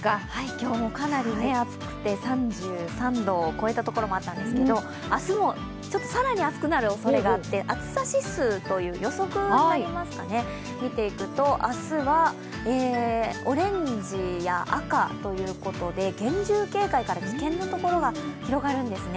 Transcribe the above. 今日もかなり暑くて３３度を超えたところもあったんですけど明日も更に暑くなるおそれがあって暑さ指数という、予測になりますかね、見ていくと、明日はオレンジや赤ということで厳重警戒から危険のところが広がるんですね。